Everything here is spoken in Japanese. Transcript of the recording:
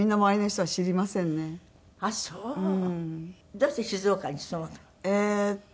どうして静岡に住もうと？